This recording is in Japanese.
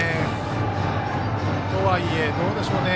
とはいえ、どうでしょうね。